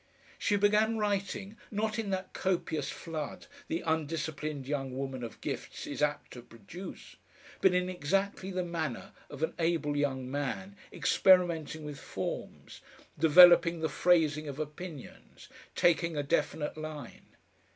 She began writing, not in that copious flood the undisciplined young woman of gifts is apt to produce, but in exactly the manner of an able young man, experimenting with forms, developing the phrasing of opinions, taking a definite line.